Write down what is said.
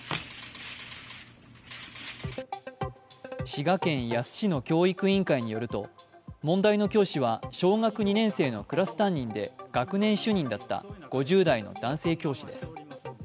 滋賀県野洲市の教育委員会によると、問題の教師は小学２年生のクラス担任で学年主任だった５０代の男性教師です。